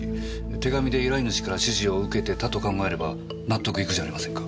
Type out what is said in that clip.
手紙で依頼主から指示を受けてたと考えれば納得いくじゃありませんか。